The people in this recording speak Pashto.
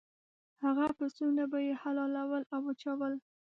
هغه پسونه به یې حلالول او وچول.